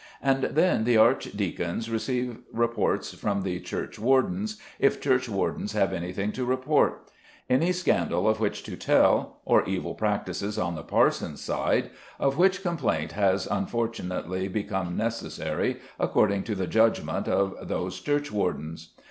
And then the archdeacons receive reports from the churchwardens, if churchwardens have anything to report, any scandal of which to tell, or evil practices on the parson's side of which complaint has unfortunately become necessary according to the judgment of those churchwardens!